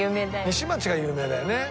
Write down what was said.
西町が有名だよね。